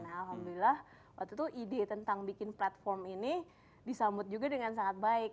alhamdulillah waktu itu ide tentang bikin platform ini disambut juga dengan sangat baik